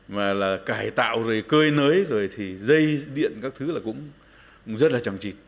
mà là cải tạo rồi cơi nới rồi thì dây điện các thứ là cũng rất là chẳng chịt